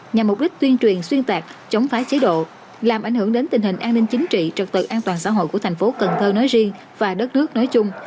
nhằm mục đích tuyên truyền xuyên tạc chống phá chế độ làm ảnh hưởng đến tình hình an ninh chính trị trật tự an toàn xã hội của thành phố cần thơ nói riêng và đất nước nói chung